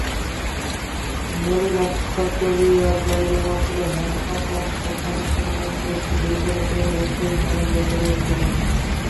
নলিনাক্ষ চলিয়া যাইবামাত্র হেম আপন সাধনসম্বন্ধে একটু দুর্বলতা অনুভব করিতে আরম্ভ করিয়াছিল।